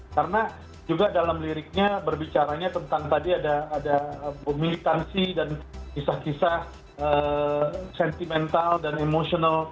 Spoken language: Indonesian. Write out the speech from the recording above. karena juga dalam liriknya berbicaranya tentang tadi ada militansi dan kisah kisah sentimental dan emosional